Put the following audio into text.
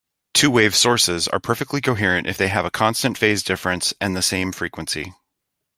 Two-wave sources are perfectly coherent if they have a constant phase difference and the same frequency.